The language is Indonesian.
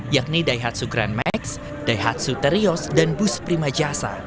yakni daihatsu grand max daihatsu terios dan bus prima jasa